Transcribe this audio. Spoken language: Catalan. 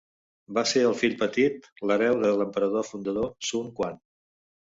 Va ser el fill petit i l'hereu de l'emperador fundador Sun Quan.